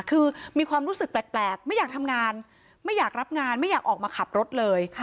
คือมีความรู้สึกแปลกไม่อยากทำงานไม่อยากรับงานไม่อยากออกมาขับรถเลย